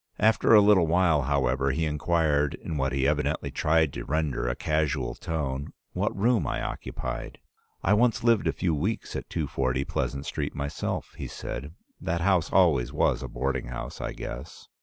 "After a little while, however, he inquired, in what he evidently tried to render a casual tone, what room I occupied. 'I once lived a few weeks at 240 Pleasant Street myself,' he said. 'That house always was a boarding house, I guess.